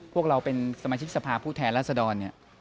พวกเราเป็นสมาชิกสภาพูดแทนราษดร